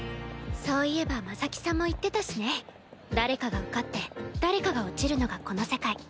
そういえば真咲さんも言ってたしね「誰かが受かって誰かが落ちるのがこの世界」。